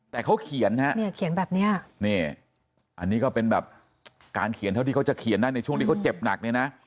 แต่เขาเขียนแบบนี้นี่ก็เป็นแบบการเขียนเท่าที่เขาจะเขียนในช่วงที่เขาเจ็บหนัก